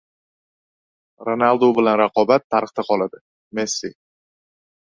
Ronaldu bilan raqobat tarixda qoladi – Messi